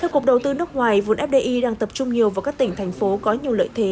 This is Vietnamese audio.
theo cục đầu tư nước ngoài vốn fdi đang tập trung nhiều vào các tỉnh thành phố có nhiều lợi thế